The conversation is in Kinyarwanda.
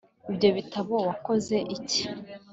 ibyo bitabo wakoze iki